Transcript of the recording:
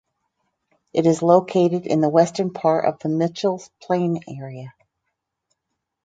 It is located in the western part of the Mitchells Plain area.